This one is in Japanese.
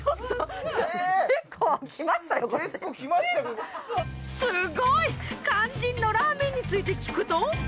すごい！肝心のラーメンについて聞くと。